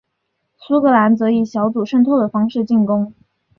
苏格兰则以小组渗透的方式进攻。